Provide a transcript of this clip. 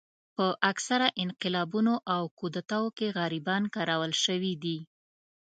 په اکثره انقلابونو او کودتاوو کې غریبان کارول شوي دي.